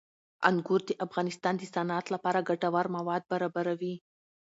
انګور د افغانستان د صنعت لپاره ګټور مواد برابروي.